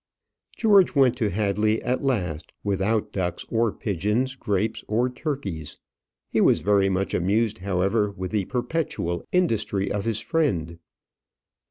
George went to Hadley at last without ducks or pigeons, grapes or turkeys. He was very much amused however with the perpetual industry of his friend.